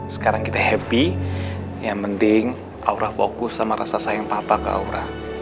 sekarang kita happy yang penting aura fokus sama rasa sayang papa ke aura